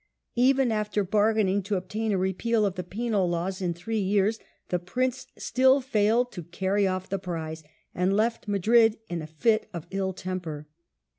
Even after bargaining to obtain a repeal of the Penal laws in three years, the Prince still failed to carry off the prize, and left Madrid in a fit of ill temper.